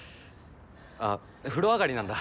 あ風呂上がりなんだ。